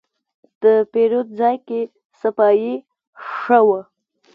د پیرود ځای کې صفایي ښه وه.